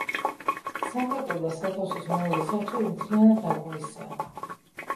სამრეკლო და სათავსოს მეორე სართული მთლიანად აგურისაა.